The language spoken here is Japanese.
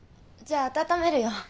じゃあ温めるよ。